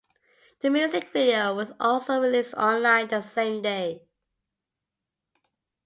The music video was also released online the same day.